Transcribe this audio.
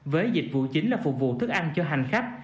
với dịch vụ chính là phục vụ thức ăn cho hành khách